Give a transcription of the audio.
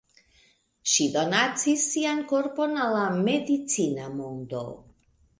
Ŝi donacis sian korpon al la medicina mondo.